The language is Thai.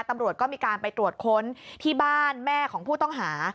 ตำรวจก็มีการไปตรวจค้นที่บ้านแม่ของผู้ต้องหา